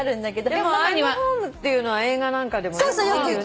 でも「Ｉ’ｍｈｏｍｅ」っていうのは映画なんかでもよく見るよね。